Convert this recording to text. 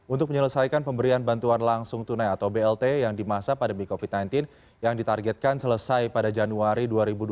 untuk menyelesaikan pemberian bantuan langsung tunai atau blt yang dimasak pada bkv sembilan belas yang ditargetkan selesai pada januari dua ribu dua puluh satu